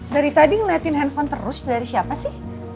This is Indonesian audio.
dari tadi ngeliatin handphone terus dari siapa sih